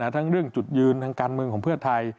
ทั้งเรื่องจุดยืนทางการเมืองของเพื่อไทย